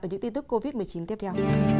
ở những tin tức covid một mươi chín tiếp theo